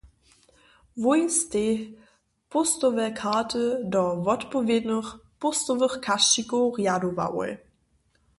Wój stej póstowe karty do wotpowědnych póstowych kašćikow rjadowałoj.